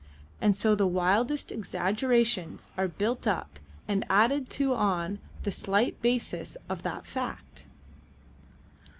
And so the wildest exaggerations are built up and added to on the slight basis of that fact.